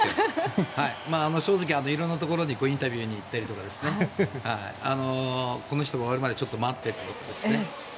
正直色んなところにインタビューに行ったりとかこの人が終わるまでちょっと待ってということですね。